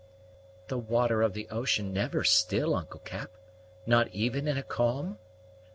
"The water of the ocean never still, Uncle Cap? not even in a calm?"